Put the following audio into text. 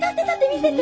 見せて！